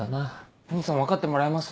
お義兄さん分かってもらえます？